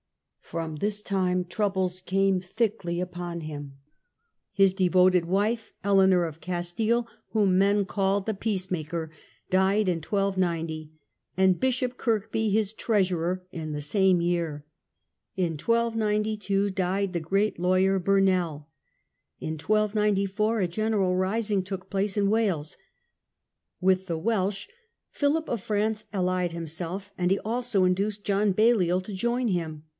From this time troubles came thickly upon him. His devoted wife, Eleanor of Castile, whom men called " the peacemaker", died in 1290, and Bishop Kirkby his treasurer in the same year. In 1292 died the great lawyer Burnel. In 1294 a general rising took place in Wales. With the Welsh Philip of France allied himself; and he also induced John Balliol to join him.